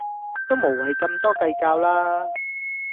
都無謂咁多計較啦